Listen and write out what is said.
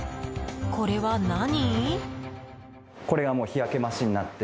これは何？